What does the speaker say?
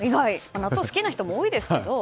納豆が好きな人も多いですけど。